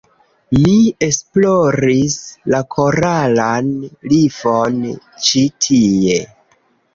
Ni esploris la koralan rifon ĉi tie